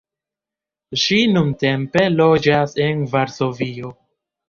Ŝi nuntempe loĝas en Varsovio.